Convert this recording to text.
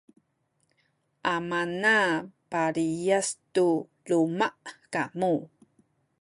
amana piliyas tu luma’ kamu